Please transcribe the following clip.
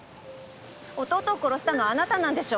弟を殺したのあなたなんでしょ？